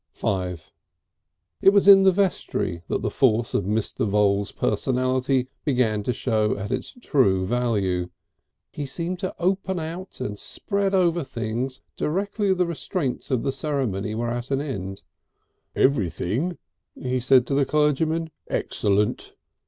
V It was in the vestry that the force of Mr. Voules' personality began to show at its true value. He seemed to open out and spread over things directly the restraints of the ceremony were at an end. "Everything," he said to the clergyman, "excellent."